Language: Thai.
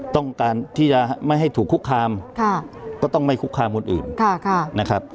ต้องการที่จะไม่ให้ถูกคุกคามก็ต้องไม่คุกคามคนอื่นนะครับ